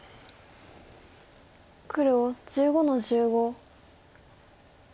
黒１５の十五。